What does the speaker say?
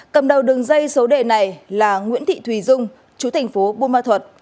cầm đầu đường dây số đề này là nguyễn thị thùy dung chú thành phố bumathut